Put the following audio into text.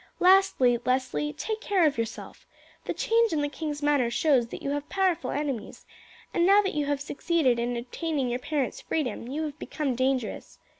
Lastly, Leslie, take care of yourself. The change in the king's manner shows that you have powerful enemies, and now that you have succeeded in obtaining your parents' freedom you have become dangerous.